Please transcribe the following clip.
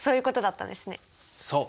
そう！